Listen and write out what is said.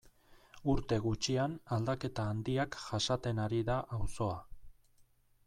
Urte gutxian aldaketa handiak jasaten ari da auzoa.